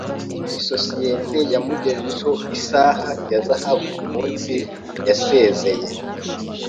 Isosiyete yamugejejeho isaha ya zahabu umunsi yasezeye.